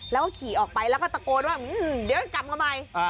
แล้วขี่ออกไปแล้วก็ตะโกนว่าอื้ออออเดี๋ยวจะจำทำไม